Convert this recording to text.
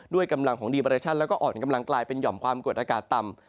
กำลังของดีเรชั่นแล้วก็อ่อนกำลังกลายเป็นหย่อมความกดอากาศต่ำ